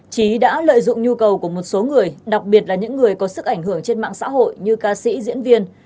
trí đã lợi dụng nhu cầu của một số người đặc biệt là những người có sức ảnh hưởng trên mạng xã hội như ca sĩ diễn viên